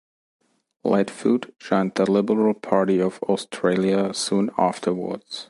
Lightfoot joined the Liberal Party of Australia soon afterwards.